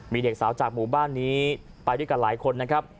มีเด็กสาวจากหมู่บ้านนี้ไปด้วยกันหลายคนนะครับ